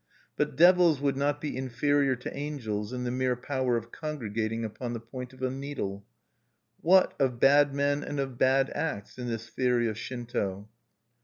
But devils would not be inferior to angels in the mere power of congregating upon the point of a needle. What, of bad men and of bad acts in this theory of Shinto?